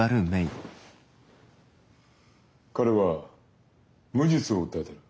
彼は無実を訴えてる。